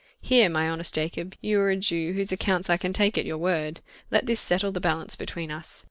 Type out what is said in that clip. "Here, my honest Jacob, you are a Jew whose accounts I can take at your word. Let this settle the balance between us.